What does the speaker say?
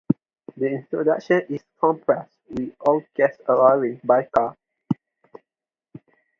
The introduction is compressed with all guests arriving by car.